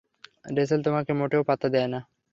Rachel তোমাকে মোটেও পাত্তা দেয় না।